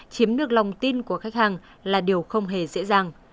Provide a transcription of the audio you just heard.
chiếm được lòng tin của khách hàng là điều không hề dễ dàng